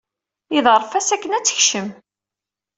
Iḍerref-as akken ad tekcem.